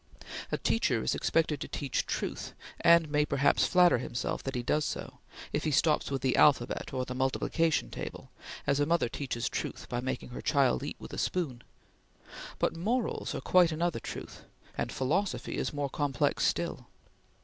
A teacher is expected to teach truth, and may perhaps flatter himself that he does so, if he stops with the alphabet or the multiplication table, as a mother teaches truth by making her child eat with a spoon; but morals are quite another truth and philosophy is more complex still.